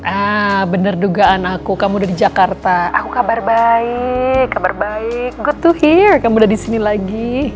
ah bener dugaan aku kamu dari jakarta aku kabar baik kabar baik good to hear kamu udah di sini lagi